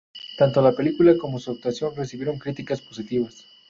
Tanto la película como su actuación recibieron críticas positivas.